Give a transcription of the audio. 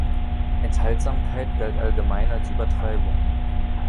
Enthaltsamkeit galt allgemein als Übertreibung.